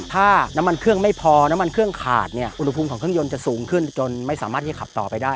ถ้าน้ำมันเครื่องไม่พอน้ำมันเครื่องขาดเนี่ยอุณหภูมิของเครื่องยนต์จะสูงขึ้นจนไม่สามารถที่จะขับต่อไปได้